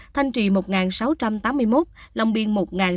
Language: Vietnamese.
thanh trì một sáu trăm tám mươi một lòng biên một sáu trăm sáu mươi một